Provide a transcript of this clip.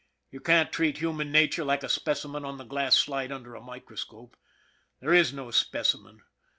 You can't treat human nature like a specimen on the glass slide under a microscope. There is no specimen.